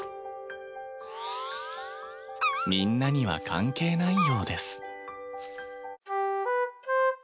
みんなには関係ないようです